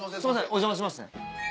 お邪魔します。